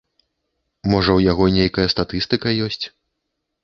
Можа, у яго нейкая статыстыка ёсць.